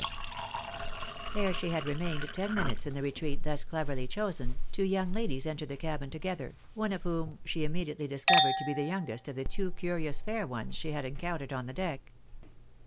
Ere she had remained ten minutes in the retreat thus cleverly chosen, two young ladies entered the cabin together, one of whom she immediately discovered to be the youngest of the two curious fair ones she had encountered on the deck.